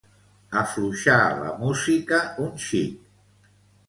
Afluixar la música un xic.